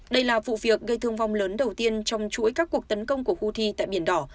đây là vụ việc gây thương vong lớn đầu tiên trong chuỗi các cuộc tấn công của houthi tại biển đỏ